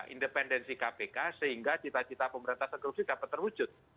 independensi kpk sehingga cita cita pemerintah segera dapat terwujud